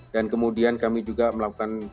dan kemudian kami juga melakukan komunikasi